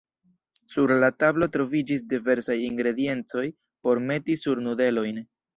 Sur la tablo troviĝis diversaj ingrediencoj por meti sur nudelojn.